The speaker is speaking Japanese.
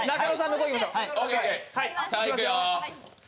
さぁいくよ。